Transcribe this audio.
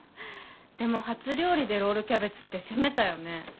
でも初料理でロールキャベツって攻めたよね。